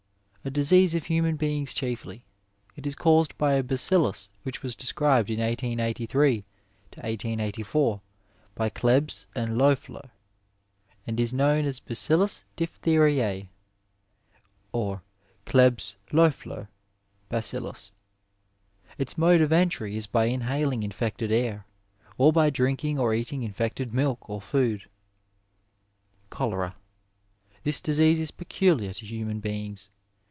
— ^A disease of human beings chiefly. It is caused by a bacillus which was described in 1883 84 by Elebs and Loeffler, and is known as Bacillus diphtheriae, or Elebs Loeffler bacillus. Its mode of entry is by inhaling infected air, or by drinking or eating infected milk or food. Cholera. — ^This disease is peculiar to human beings.